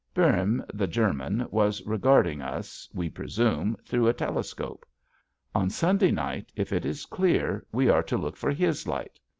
Boehm, the German, was regarding us, we presume, through a telescope. On Sunday night, if it is clear, we are to look for his light.